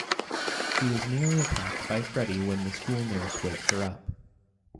She is nearly attacked by Freddy when the school nurse wakes her up.